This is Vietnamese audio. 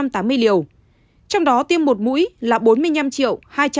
trong đó tiêm một mũi là bốn mươi năm hai trăm tám mươi một chín trăm ba mươi bảy liều